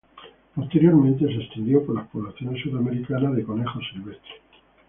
Posteriormente se extendió por las poblaciones suramericanas de conejos silvestres.